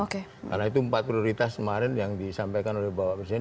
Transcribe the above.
karena itu empat prioritas yang disampaikan oleh bapak presiden